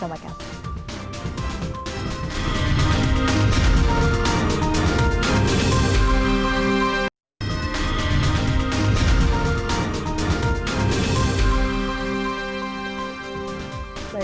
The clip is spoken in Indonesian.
sampai berjumpa lagi